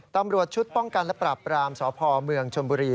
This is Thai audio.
ตำรวจชุดป้องกันและปราบรามสพเมืองชนบุรี